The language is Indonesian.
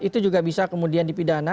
itu juga bisa kemudian dipidana